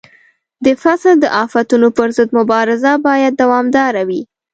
د فصل د آفتونو پر ضد مبارزه باید دوامداره وي.